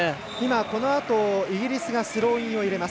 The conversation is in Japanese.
このあと、イギリスがスローインを入れます。